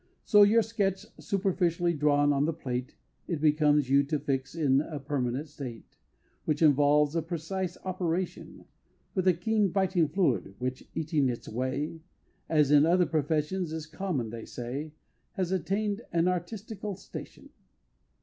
So your sketch superficially drawn on the plate, It becomes you to fix in a permanent state, Which involves a precise operation, With a keen biting fluid, which eating its way As in other professions is common they say Has attain'd an artistical station.